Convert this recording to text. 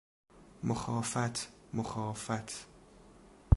مخافت مخافة